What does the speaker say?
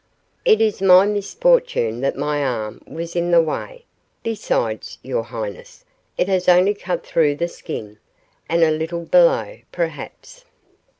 It is my misfortune that my arm was in the way. Besides, your highness, it has only cut through the skin and a little below, perhaps.